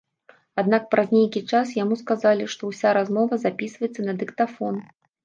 Аднак праз нейкі час яму сказалі, што ўся размова запісваецца на дыктафон.